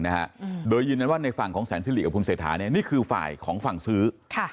พยายามได้ยินว่าในฝั่งของแสนสิริกับคุณเศรษฐานี่คือฝ่ายของฝั่งซื้อ